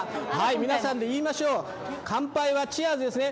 皆さんで言いましょう、乾杯はチアーズですね。